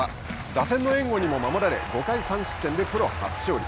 打線の援護にも守られ５回３失点でプロ初勝利。